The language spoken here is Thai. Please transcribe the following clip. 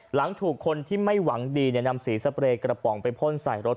หลังถูกคนที่ไม่หวังดีนำสีสเปรย์กระป๋องไปพ่นใส่รถ